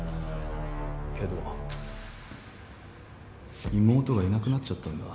けど妹がいなくなっちゃったんだ。